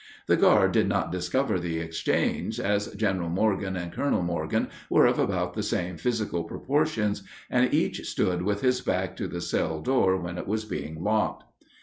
The guard did not discover the exchange, as General Morgan and Colonel Morgan were of about the same physical proportions, and each stood with his back to the cell door when it was being locked.